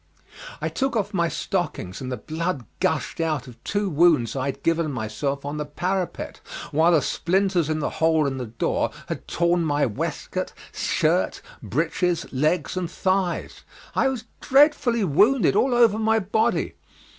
I took off my stockings, and the blood gushed out of two wounds I had given myself on the parapet, while the splinters in the hole in the door had torn my waistcoat, shirt, breeches, legs and thighs. I was dreadfully wounded all over my body.